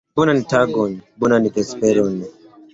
Bonan tagon, bonan vesperon.